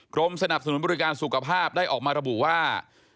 กรมสนับสนุนบริการสุขภาพได้ออกมาระบุว่า